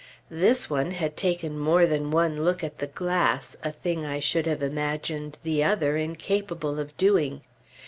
This one had taken more than one look at the glass, a thing I should have imagined the other incapable of doing.